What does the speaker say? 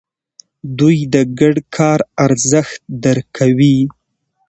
دوی د ګډ کار ارزښت درک کوي.